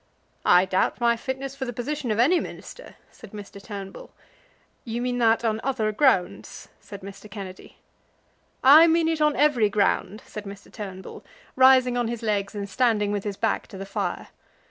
"I doubt my fitness for the position of any Minister," said Mr. Turnbull. "You mean that on other grounds," said Mr. Kennedy. "I mean it on every ground," said Mr. Turnbull, rising on his legs and standing with his back to the fire.